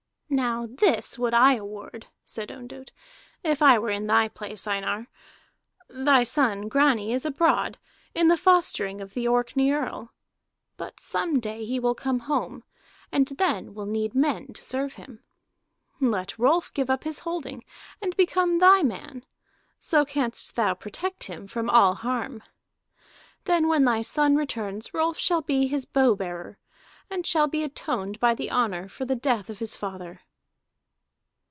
"Now this I would award," said Ondott, "if I were in thy place, Einar. Thy son Grani is abroad, in the fostering of the Orkney earl; but some day he will come home, and then will need men to serve him. Let Rolf give up his holding and become thy man; so canst thou protect him from all harm. Then when thy son returns Rolf shall be his bow bearer, and shall be atoned by the honor for the death of his father."